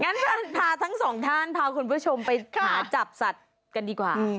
งั้นพาทั้งสองท่านพาคุณผู้ชมไปหาจับสัตว์กันดีกว่า